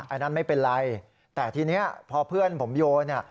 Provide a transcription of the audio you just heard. อันนั้นไม่เป็นไรแต่ทีนี้พอเพื่อนผมโยนเนี่ย